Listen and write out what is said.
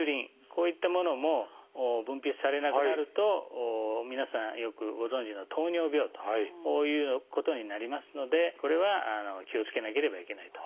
こういったものも分泌されなくなると皆さんよくご存じの糖尿病ということになりますのでこれは気をつけなければいけないと。